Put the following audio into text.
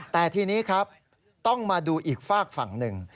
แต่ทีนี้ครับต้องมาดูอีกฝากฝั่งหนึ่ง